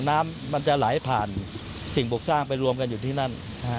น้ำมันจะไหลผ่านสิ่งปลูกสร้างไปรวมกันอยู่ที่นั่น